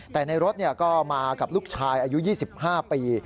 แต่ในรถก็มากับลูกชายอายุ๒๕ปี